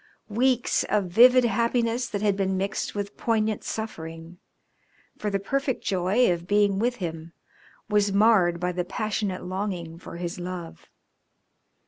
Weeks of vivid happiness that had been mixed with poignant suffering, for the perfect joy of being with him was marred by the passionate longing for his love.